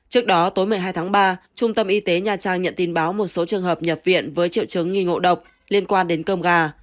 trước đó tối một mươi hai tháng ba trung tâm y tế nha trang nhận tin báo một số trường hợp nhập viện với triệu chứng nghi ngộ độc liên quan đến cơm gà